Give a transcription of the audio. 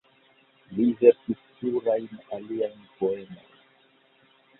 Li verkis plurajn aliajn poemojn.